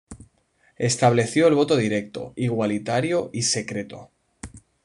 Estableció el voto directo, igualitario y secreto.